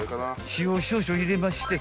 ［塩少々入れまして］